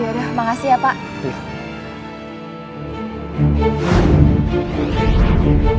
yaudah makasih ya pak